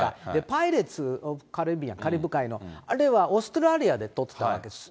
パイレーツ・カリビアン、カリブ海のあれはオーストラリアで撮ってたわけです。